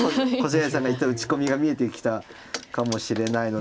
星合さんが言った打ち込みが見えてきたかもしれないので